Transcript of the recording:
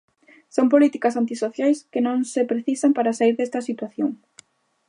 Son políticas antisociais que non se precisan para saír desta situación.